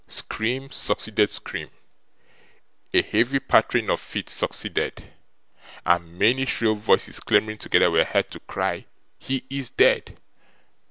Scream succeeded scream; a heavy pattering of feet succeeded; and many shrill voices clamouring together were heard to cry, 'He is dead!